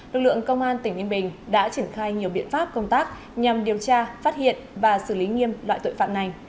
lực lượng công an tỉnh ninh bình đã triển khai nhiều biện pháp công tác nhằm điều tra phát hiện và xử lý nghiêm loại tội phạm này